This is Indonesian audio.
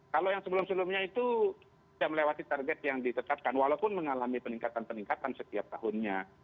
kalau yang sebelum sebelumnya itu sudah melewati target yang ditetapkan walaupun mengalami peningkatan peningkatan setiap tahunnya